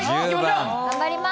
頑張ります。